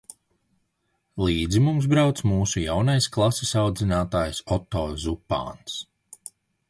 Līdzi mums brauca mūsu jaunais klases audzinātājs Otto Zupāns.